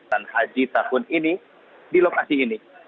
dan haji takun ini di lokasi ini